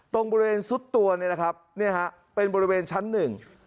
ตรงบริเวณซุดตัวเนี่ยนะครับเนี่ยฮะเป็นบริเวณชั้นหนึ่ง